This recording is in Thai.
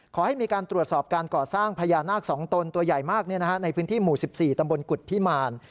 ขอให้มีการตรวจสอบการก่อสร้างพญานาค๒ตนตัวใหญ่มากในพื้นที่หมู่๑๔ตำบลกุฎพิมาร